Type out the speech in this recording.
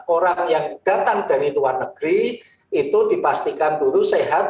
orang yang datang dari luar negeri itu dipastikan dulu sehat